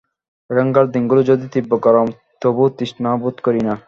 এখানকার দিনগুলি যদিও তীব্র গরম, তবু তৃষ্ণা বোধ করি না।